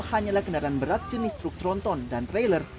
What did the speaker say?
hanyalah kendaraan berat jenis truk tronton dan trailer